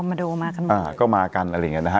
มาดูมากันมาอ่าก็มากันอะไรอย่างเงี้นะฮะ